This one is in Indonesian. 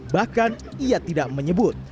bahkan ia tidak menyebut